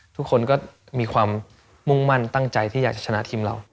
ทุกคนก็มีความมุ่งมั่นตั้งใจที่อยากจะชนะทีมเรา